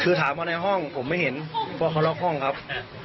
คือถามว่าในห้องผมไม่เห็นว่าเขาล็อกห้องครับ